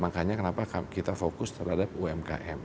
makanya kenapa kita fokus terhadap umkm